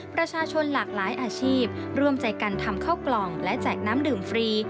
ประชาชนหลากหลายอาชีพร่วมใจกันทำข้าวกล่องและแจกน้ำดื่มฟรี